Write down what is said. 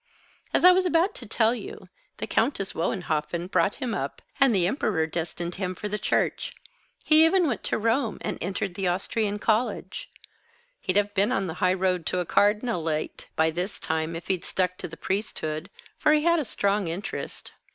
As I was about to tell you, the Countess Wohenhoffen brought him up, and the Emperor destined him for the Church. He even went to Rome and entered the Austrian College. He'd have been on the high road to a cardinalate by this time if he'd stuck to the priesthood, for he had strong interest.